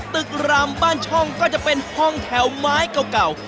รามบ้านช่องก็จะเป็นห้องแถวไม้เก่า